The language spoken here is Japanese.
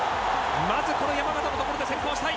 まずこの山縣のところで先行したい。